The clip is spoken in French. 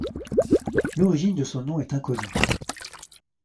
L'origine de son nom est inconnue.